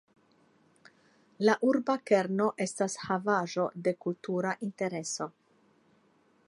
La urba kerno estas Havaĵo de Kultura Intereso.